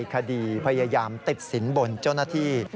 คดีพยายามติดสินบนเจ้าหน้าที่